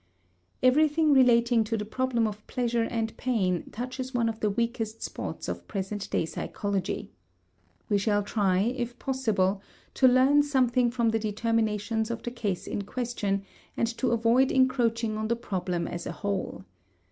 Everything relating to the problem of pleasure and pain touches one of the weakest spots of present day psychology. We shall try if possible to learn something from the determinations of the case in question and to avoid encroaching on the problem as a whole.